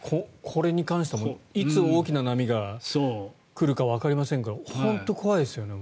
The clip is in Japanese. これに関してはいつ大きな波が来るかわかりませんから本当に怖いですよね。